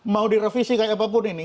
mau direvisi kayak apapun ini